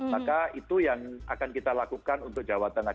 maka itu yang akan kita lakukan untuk jawa tengah